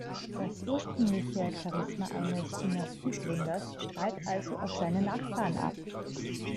Das ursprüngliche Charisma eines Dynastiegründers strahlt also auf seine Nachfahren ab.